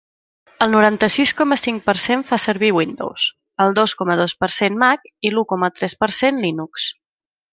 El noranta-sis coma cinc per cent fa servir Windows, el dos coma dos per cent Mac i l'u coma tres per cent Linux.